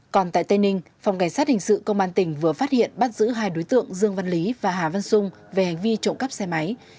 còn tại tây ninh phòng cảnh sát hình sự công an tỉnh vừa phát hiện bắt giữ hai đối tượng dương văn lý và hà văn sung về hành vi trộm cắp xe máy